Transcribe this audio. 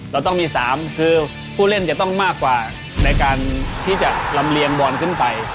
เราต้องมี๓คือผู้เล่นจะต้องมากกว่าในการที่จะลำเลียงบอลขึ้นไป